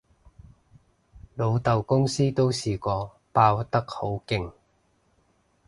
老豆公司都試過爆得好勁